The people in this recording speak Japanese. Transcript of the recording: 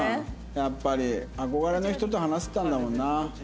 やっぱり憧れの人と話せたんだもんな。